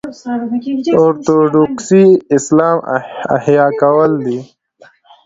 اورتوډوکسي اسلام احیا کول دي.